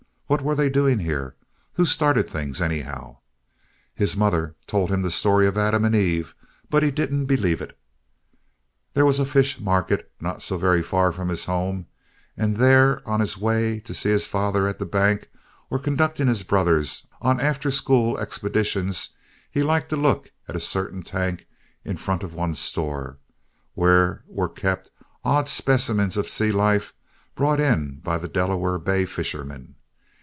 What were they doing here? Who started things, anyhow? His mother told him the story of Adam and Eve, but he didn't believe it. There was a fish market not so very far from his home, and there, on his way to see his father at the bank, or conducting his brothers on after school expeditions, he liked to look at a certain tank in front of one store where were kept odd specimens of sea life brought in by the Delaware Bay fishermen.